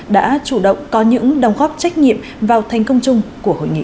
đã chủ động có những đồng góp trách nhiệm vào thành công chung của hội nghị